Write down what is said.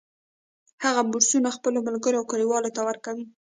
هغه بورسونه خپلو ملګرو او کلیوالو ته ورکوي